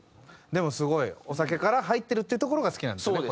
でもすごいお酒から入ってるっていうところが好きなんですよね。